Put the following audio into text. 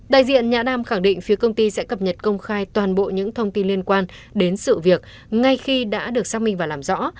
đại diện nhạ nam khẳng định phía công ty sẽ cập nhật công khai toàn bộ những thông tin liên quan đến sự việc ngay khi đã được xác minh và làm rõ